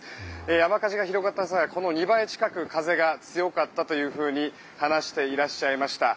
山火事が広がった際はこの２倍近く風が強かったというふうに話していらっしゃいました。